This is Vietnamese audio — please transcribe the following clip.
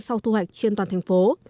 sau thu hoạch trên toàn thành phố